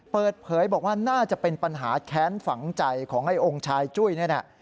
เปิดเผยบอกว่าน่าจะเป็นปัญหาแค้นฝังใจของไอ้องค์ชายจุ้ยเนี่ยนะ